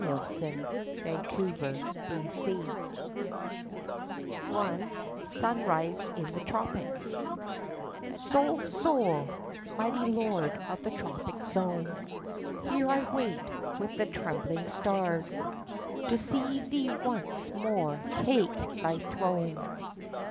DOWN BY THE CARIB SEA I Sunrise in the Tropics Sol, Sol, mighty lord of the tropic zone, Here I wait with the trembling stars To see thee once more take thy throne.